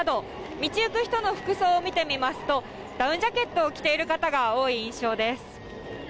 道行く人の服装を見てみますと、ダウンジャケットを着ている方が多い印象です。